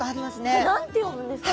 これ何て読むんですか？